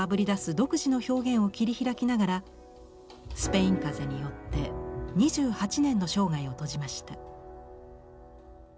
独自の表現を切り開きながらスペイン風邪によって２８年の生涯を閉じました。